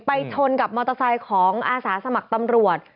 ชนกับมอเตอร์ไซค์ของอาสาสมัครตำรวจ